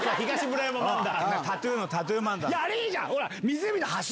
あれいいじゃん。